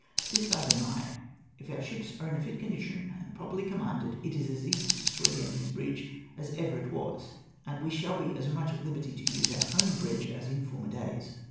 This I deny. If our sliips are in a fit condition, and properly commanded, it is as easy to destroy the enemy's " bridge " as ever it was, and we shall be as much at hberty to use our own bridge as in former days.